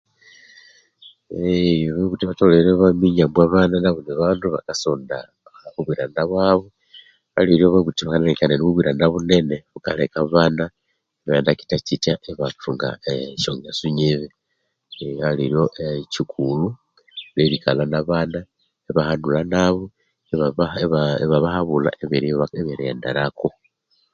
Ee Ababuthi batholere obaminya ambu abana nabo nibandu bakasonda obwiranda bwabo aleriryo ababuthi bangalengekanya ambu mbwino obwiranda bunene bukaleka abana ibaghenda kyityakyitya, ikyaleka ibathunga esyo ngeso nyibi. Aleririryo ekyikulhukulhu lyerikalha nabana ibahanulha nabo, ibabahabulha ebyerighenderako.